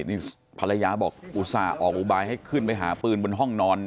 นี่ภรรยาบอกอุตส่าห์ออกอุบายให้ขึ้นไปหาปืนบนห้องนอน